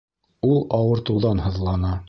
Ул ауыртыуҙан һыҙлана